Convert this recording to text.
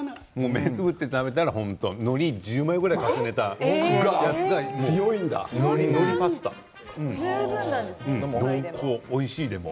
目をつぶって食べたらのりを１０枚ぐらい重ねたぐらい濃厚、おいしい、でも。